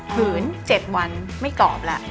ผืน๗วันไม่กรอบแล้ว